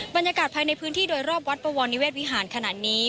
บรรยากาศภายในพื้นที่โดยรอบวัดปวรนิเวศวิหารขนาดนี้